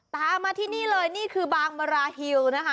ตามมาที่นี่เลยนี่คือบางมราฮิวนะคะ